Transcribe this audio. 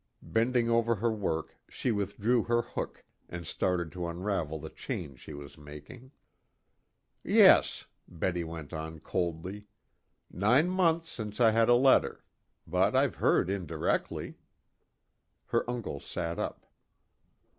Bending over her work she withdrew her hook and started to unravel the chain she was making. "Yes," Betty went on coldly. "Nine months since I had a letter. But I've heard indirectly." Her uncle sat up.